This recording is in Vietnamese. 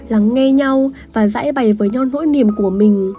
lắng nghe nhau và giải bày với nhau vững niềm của mình